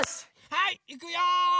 はいいくよ。